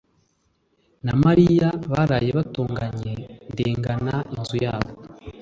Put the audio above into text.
na Mariya baraye batonganye ndengana inzu yabo.